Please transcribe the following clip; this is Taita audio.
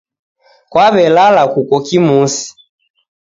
Kwaw'elala kuko kimusi